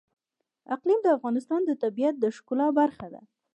اقلیم د افغانستان د طبیعت د ښکلا برخه ده.